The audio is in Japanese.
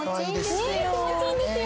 気持ちいいんですよ。